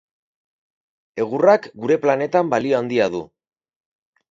Egurrak gure planetan balio handia du.